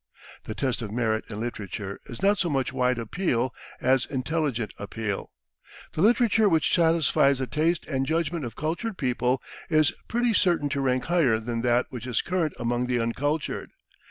The test of merit in literature is not so much wide appeal as intelligent appeal; the literature which satisfies the taste and judgment of cultured people is pretty certain to rank higher than that which is current among the uncultured.